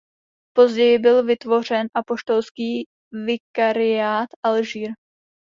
Později byl vytvořen apoštolský vikariát Alžír.